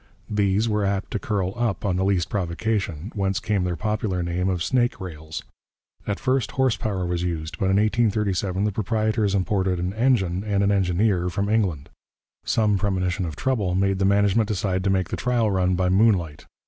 These were apt to curl up on the least provocation, whence came their popular name of 'snake rails.' At first horse power was used, but in 1837 the proprietors imported an engine and an engineer from England. Some premonition of trouble made the management decide to make the trial run by moonlight.